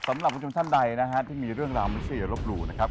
สำหรับคุณผู้ชมท่านใดนะฮะที่มีเรื่องราวไม่ใช่อย่ารบหลู่นะครับ